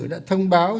đã thông báo